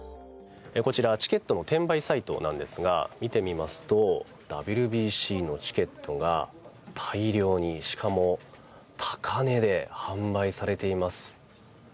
こちらチケットの転売サイトなんですが見てみますとＷＢＣのチケットが大量に、しかも高値で販売されています。